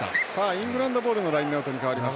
イングランドボールのラインアウトに変わります。